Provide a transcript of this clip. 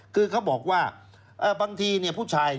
คือเขาบอกว่าบางทีผู้ชาย